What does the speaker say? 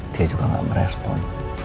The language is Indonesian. dia juga gak merespon